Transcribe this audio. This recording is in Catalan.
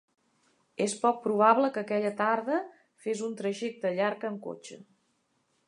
És poc probable que aquella tarda fes un trajecte llarg en cotxe.